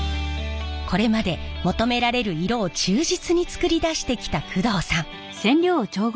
これまで求められる色を忠実に作り出してきた工藤さん。